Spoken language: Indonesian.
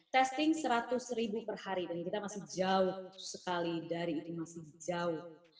testing seratus ribu per hari dan kita masih jauh sekali dari ini masih jauh